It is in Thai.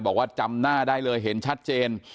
บอกว่าจำหน้าได้เลยเห็นชัดเจน